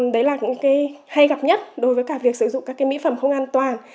đấy là những cái hay gặp nhất đối với cả việc sử dụng các mỹ phẩm không an toàn